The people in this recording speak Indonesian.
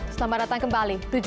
selamat datang kembali